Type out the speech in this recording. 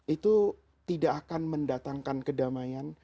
itu tidak akan mendatangkan kedamaian